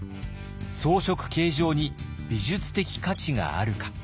装飾形状に美術的価値があるか。